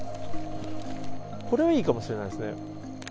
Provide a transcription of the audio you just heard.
これはいいかもしれないですね。